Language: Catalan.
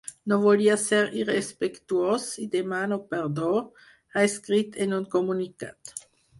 No volia ser irrespectuós i demano perdó, ha escrit en un comunicat.